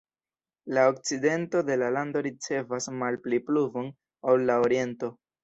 La okcidento de la lando ricevas malpli pluvon ol la oriento.